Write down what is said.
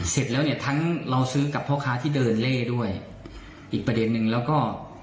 เสร็จแล้วเนี่ยทั้งเราซื้อกับพ่อค้าที่เดินเล่ด้วยอีกประเด็นนึงแล้วก็